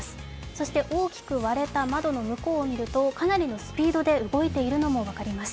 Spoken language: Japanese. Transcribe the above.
そして大きく割れた窓の向こうを見ると、かなりのスピードで動いているのも分かります。